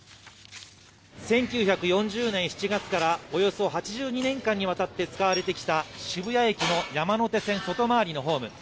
１９４０年７月からおよそ８２年間にわたって使われてきた渋谷駅の山手線外回りのホーム。